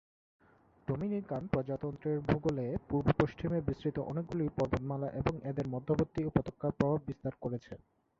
Dominican প্রজাতন্ত্রের ভূগোলে পূর্ব-পশ্চিমে বিস্তৃত অনেকগুলি পর্বতমালা এবং এদের মধ্যবর্তী উপত্যকা প্রভাব বিস্তার করেছে।